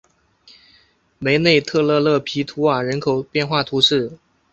梅内特勒勒皮图瓦人口变化图示